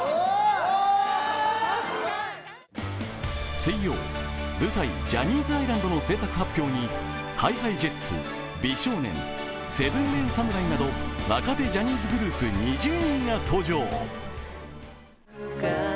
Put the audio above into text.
水曜、舞台「ジャニーズ・アイランド」の制作発表にＨｉＨｉＪｅｔｓ、美少年、７ＭＥＮ侍など、若手ジャニーズグループ２０人が登場。